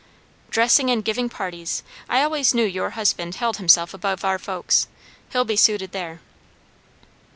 "Dressing and giving parties. I always knew your husband held himself above our folks. He'll be suited there."